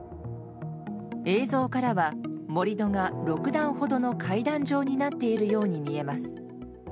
映像からは、盛り土が６段ほどの階段状になっているように見えます。